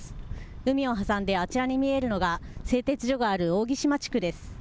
海を挟んであちらに見えるのが製鉄所がある扇島地区です。